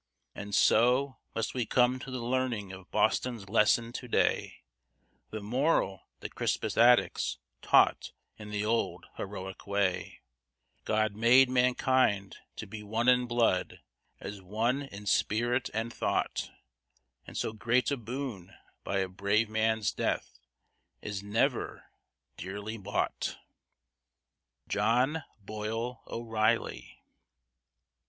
And so, must we come to the learning of Boston's lesson to day; The moral that Crispus Attucks taught in the old heroic way; God made mankind to be one in blood, as one in spirit and thought; And so great a boon, by a brave man's death, is never dearly bought! JOHN BOYLE O'REILLY.